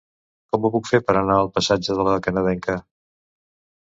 Com ho puc fer per anar al passatge de La Canadenca?